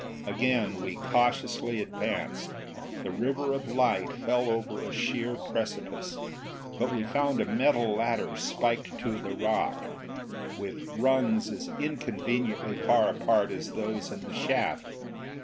Again we cautiously advanced. The river of light fell over a sheer precipice, but we found a metal ladder spiked to the rock, with rungs as inconveniently far apart as those in the shaft.